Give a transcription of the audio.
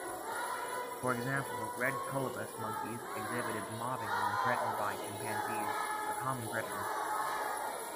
For example, red colobus monkeys exhibit mobbing when threatened by chimpanzees, a common predator.